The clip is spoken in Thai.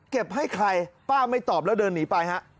เก็บให้ใครเป้าไม่ตอบแล้วเดินหนีไป